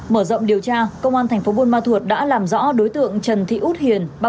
mở rộng điều tra công an tp bun ma thuột đã làm rõ đối tượng trần thị út hiền